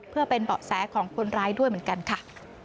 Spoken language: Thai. เพื่อเป็นเบาะแสของคนร้ายด้วยเหมือนกันค่ะ